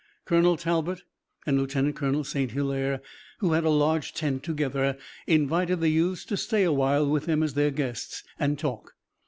Colonel Talbot and Lieutenant Colonel St. Hilaire, who had a large tent together, invited the youths to stay awhile with them as their guests and talk.